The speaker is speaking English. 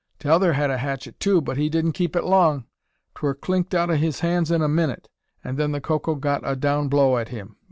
T'other had a hatchet, too, but he didn't keep it long. 'Twur clinked out o' his hands in a minnit, an' then the Coco got a down blow at him.